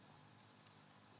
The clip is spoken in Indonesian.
dan ini benar benar